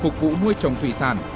phục vụ nuôi trồng thủy sản